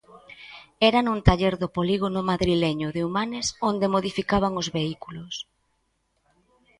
Era nun taller do polígono madrileño de Humanes onde modificaban os vehículos.